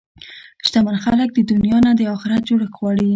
شتمن خلک د دنیا نه د اخرت جوړښت غواړي.